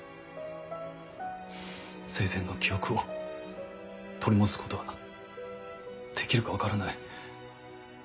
生前の記憶を取り戻すことはできるか分からない。